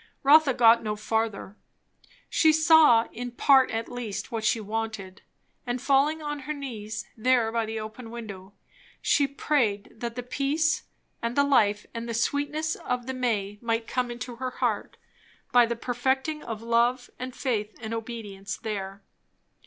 Rotha got no further. She saw, in part at least, what she wanted; and falling on her knees there by the open window, she prayed that the peace and the life and the sweetness of the May might come into her heart, by the perfecting of love and faith and obedience there.